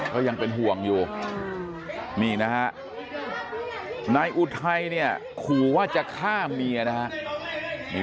ก็ยังเป็นห่วงอยู่นี่นะฮะนายอุทัยเนี่ยขู่ว่าจะฆ่าเมียนะฮะ